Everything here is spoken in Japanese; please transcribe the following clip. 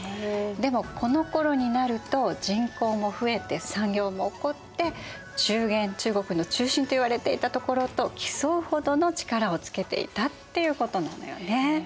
でもこのころになると人口も増えて産業も興って中原中国の中心といわれていたところと競うほどの力をつけていたっていうことなのよね。